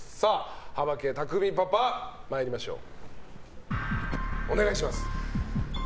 幅家、拓海パパ参りましょう。